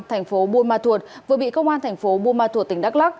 thành phố buôn ma thuột vừa bị công an thành phố buôn ma thuột tỉnh đắk lắc